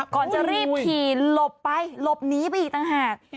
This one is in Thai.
ก่อนจะรีบขี่หลบไปหลบหนีไปอีกต่างหาก